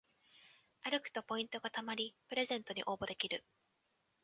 歩くとポイントがたまりプレゼントに応募できる